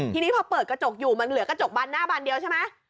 ทีนี้พอเปิดกระจกอยู่มันเหลือกระจกบานหน้าบานเดียวใช่ไหม